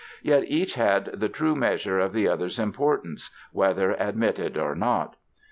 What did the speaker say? Yet each had the true measure of the other's importance, whether admitted or not.